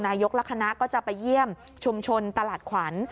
ยกและคณะก็จะไปเยี่ยมชุมชนตลาดขวัญ